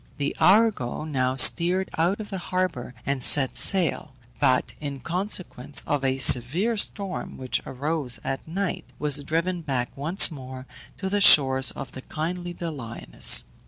The Argo now steered out of the harbour and set sail; but in consequence of a severe storm which arose at night, was driven back once more to the shores of the kindly Doliones.